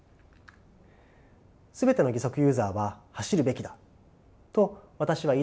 全ての義足ユーザーは走るべきだと私は言いたいわけではありません。